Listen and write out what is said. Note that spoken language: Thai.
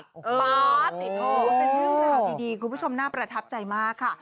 เป็นเรื่องข่าวดีคุณผู้ชมน่าประทับใจมากค่ะ